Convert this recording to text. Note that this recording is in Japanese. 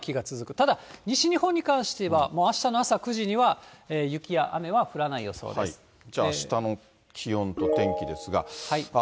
ただ、西日本に関していえば、あしたの朝９時には、じゃあ、あしたの気温と天気ですが。